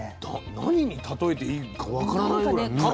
何に例えていいか分からないぐらい。